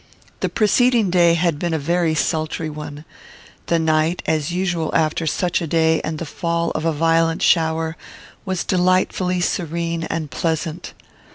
The preceding day had been a very sultry one: the night, as usual after such a day and the fall of a violent shower, was delightfully serene and pleasant.